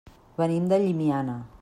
Venim de Llimiana.